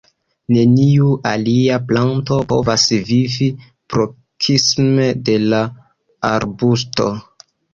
Neniu alia planto povas vivi proksime de la arbusto.